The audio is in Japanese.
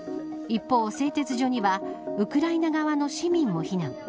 一方、製鉄所にはウクライナ側の市民も避難。